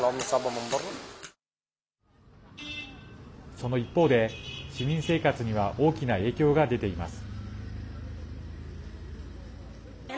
その一方で、市民生活には大きな影響が出ています。